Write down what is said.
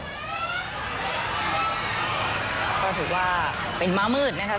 ก็ถือว่าเป็นม้ามืดนะครับ